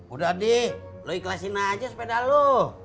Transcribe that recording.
udah adik lo ikhlasin aja sepeda lo